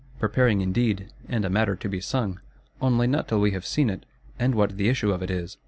Preparing indeed; and a matter to be sung,—only not till we have seen it, and what the issue of it is.